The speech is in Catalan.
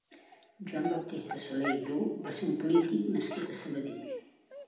Joan Baptista Soler i Bru va ser un polític nascut a Sabadell.